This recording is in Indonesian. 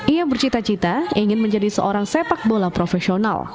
ia bercita cita ingin menjadi seorang sepak bola profesional